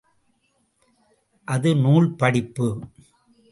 அது நூல் படிப்பு.